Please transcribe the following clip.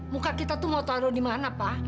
muka kita tuh mau taruh di mana pak